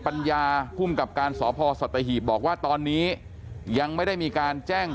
ปัญญาภูมิกับการสพสัตหีบบอกว่าตอนนี้ยังไม่ได้มีการแจ้ง